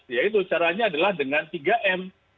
yaitu caranya adalah dengan tiga m